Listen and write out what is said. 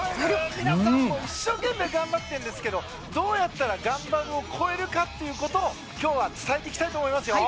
皆さんも一生懸命頑張っているんですがどうやったら頑張るを超えるかということを今日は伝えていきたいと思いますよ。